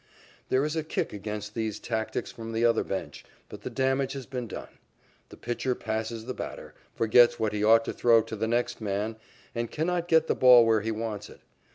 There is a kick against these tactics from the other bench, but the damage has been done. The pitcher passes the batter, forgets what he ought to throw to the next man, and cannot get the ball where he wants it.